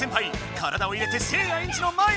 体を入れてせいやエンジの前に！